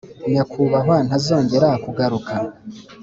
nyakubahwa ntuzongera kugaruka? '